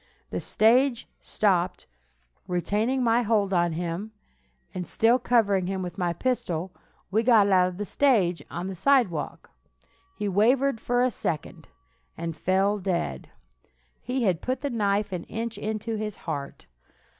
The stage stopped. Retaining my hold on him, and still covering him with my pistol, we got out of the stage, on the sidewalk. He wavered for a second, and fell dead. He had put the knife an inch into his heart.